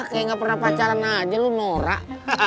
kayak gak pernah pacaran aja lu norak